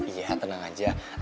iya tenang aja